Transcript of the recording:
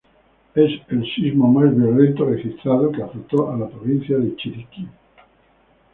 Es el sismo más violento registrado que azotó a la provincia de Chiriquí.